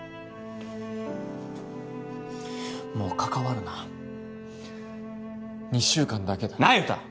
もう関わるな２週間だけだ那由他！